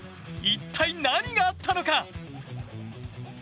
一体何があったのか？